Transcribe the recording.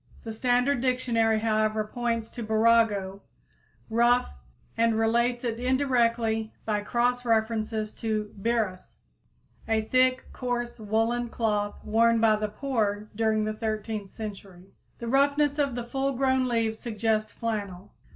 The Standard Dictionary, however, points to burrago, rough, and relates it indirectly by cross references to birrus, a thick, coarse woolen cloth worn by the poor during the thirteenth century. The roughness of the full grown leaves suggests flannel.